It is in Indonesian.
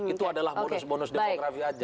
itu adalah bonus bonus demografi aja